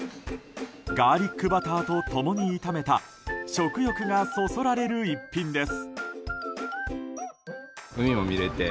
ガーリックバターと共に炒めた食欲がそそられる一品です。